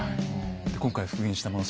今回復元したもの